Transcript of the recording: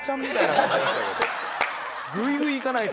グイグイいかないと。